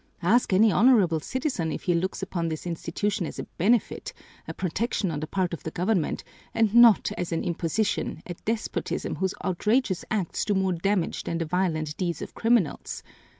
Ask any honorable citizen if he looks upon this institution as a benefit, a protection on the part of the government, and not as an imposition, a despotism whose outrageous acts do more damage than the violent deeds of criminals.